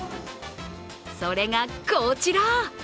それがこちら。